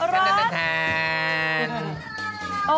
รอด